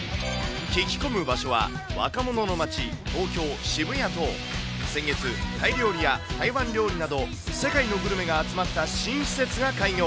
聞き込む場所は若者の街、東京・渋谷と、先月、タイ料理や台湾料理など、世界のグルメが集まった新施設が開業。